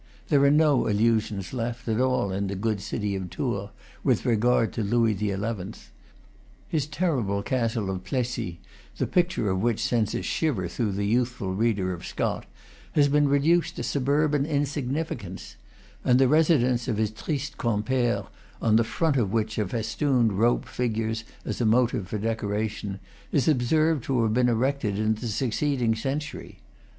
There are no illusions left, at all, in the good city of Tours, with regard to Louis XI. His terrible castle of Plessis, the picture of which sends a shiver through the youthful reader of Scott, has been reduced to sub urban insignificance; and the residence of his triste compere, on the front of which a festooned rope figures as a motive for decoration, is observed to have been erected in the succeeding century.